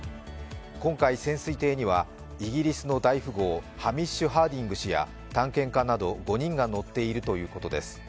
今回、潜水艇にはイギリスの大富豪、ハミッシュ・ハーディング氏や探検家など、５人が乗っているということです。